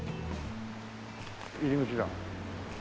入り口だ。